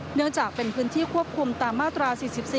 เนื่องจากเป็นพื้นที่ควบคุมตามมาตรา๔๔